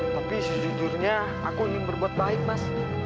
tapi sejujurnya aku ingin berbuat baik mas